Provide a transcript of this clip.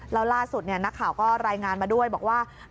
แล้วล่าสุดนักข่าวก็รายงานมาด้วยบอกว่า